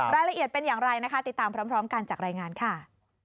รายละเอียดเป็นอย่างไรนะคะติดตามพร้อมกันจากรายงานค่ะ